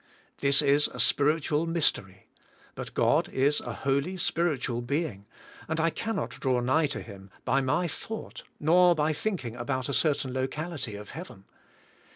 This is a spiritual mystery, but God is a Holy Spiritual Being, and I cannot draw nigh to Him by my thought nor by thinking about a certain locality of heaven.